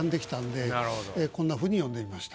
こんなふうに詠んでみました。